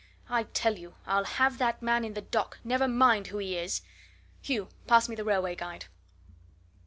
I tell you, I'll have that man in the dock never mind who he is! Hugh, pass me the railway guide."